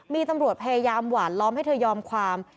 มีตำรวจพยายามหวานล้อมให้เธอยอมความ